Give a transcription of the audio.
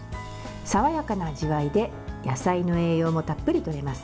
爽やかな味わいで野菜の栄養もたっぷりとれます。